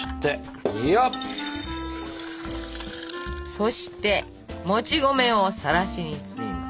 そしてもち米をさらしに包みます。